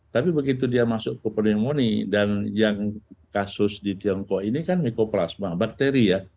tapi begitu dia masuk ke pneumonia dan yang kasus di tiongkok ini kan mykoplasma bakteri ya